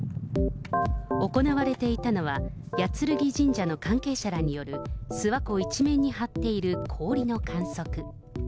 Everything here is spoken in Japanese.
行われていたのは、八剱神社の関係者らによる諏訪湖一面に張っている氷の観測。